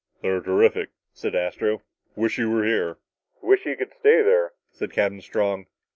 "They're terrific," said Astro. "Wish you were here." "Wish you could stay there," said Captain Strong.